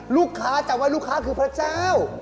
ลูกค้าจับไว้ลูกค้าคือพระเจ้า